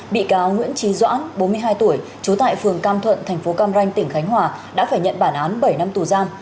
bị cáo nguyễn trí doãn bốn mươi hai tuổi trú tại phường cam thuận thành phố cam ranh tỉnh khánh hòa đã phải nhận bản án bảy năm tù giam